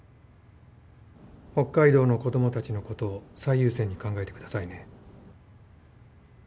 北海道の子供たちのことを最優先に考えてくださいね。